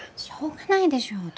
しょうがないでしょ。